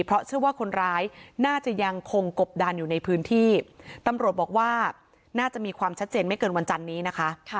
เพราะเชื่อว่าคนร้ายน่าจะยังคงกบดานอยู่ในพื้นที่ตำรวจบอกว่าน่าจะมีความชัดเจนไม่เกินวันจันนี้นะคะ